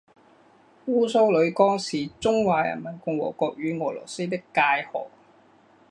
乌苏里江是中华人民共和国与俄罗斯的界河。